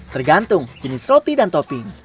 tergantung jenis roti dan topping